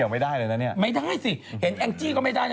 ไม่ได้เลยนะเนี่ย